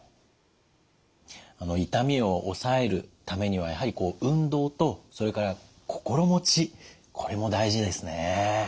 痛みを抑えるためにはやはり運動とそれから心持ちこれも大事ですね。